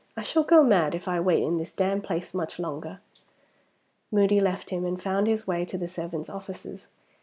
I shall go mad if I wait in this damned place much longer!" Moody left him, and found his way to the servants' offices.